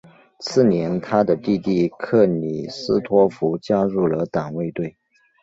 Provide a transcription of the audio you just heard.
次年他的弟弟克里斯托福加入了党卫队。